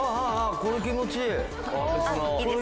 これ気持ちいい。